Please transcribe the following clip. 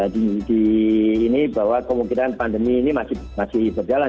di ini bahwa kemungkinan pandemi ini masih berjalan